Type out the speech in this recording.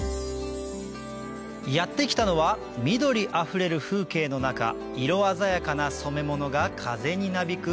やって来たのは緑あふれる風景の中色鮮やかな染め物が風になびく